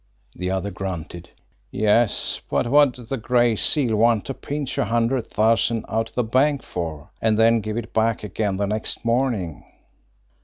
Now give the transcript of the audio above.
The other grunted. "Yes; but what'd the Gray Seal want to pinch a hundred thousand out of the bank for, and then give it back again the next morning?"